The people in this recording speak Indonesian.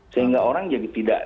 sehingga orang jadi tidak